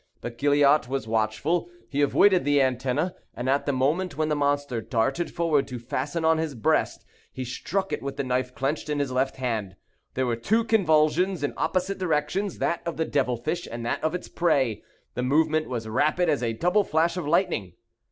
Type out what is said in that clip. But Gilliatt was watchful. He avoided the antenna, and at the moment when the monster darted forward to fasten on his breast, he struck it with the knife clenched in his left hand. There were two convulsions in opposite directions; that of the devil fish and that of its prey. The movement was rapid as a double flash of lightning.